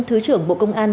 thứ trưởng bộ công an